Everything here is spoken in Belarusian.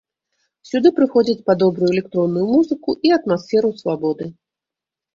Сюды прыходзяць па добрую электронную музыку і атмасферу свабоды.